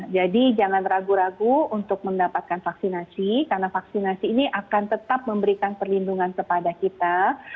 jadi jangan ragu ragu untuk mendapatkan vaksinasi karena vaksinasi ini akan tetap memberikan perlindungan kepada kita